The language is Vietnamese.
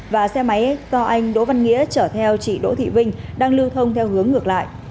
và xe máy do anh đỗ văn nghĩa chở theo chị đỗ thị vinh đang lưu thông theo hướng ngược lại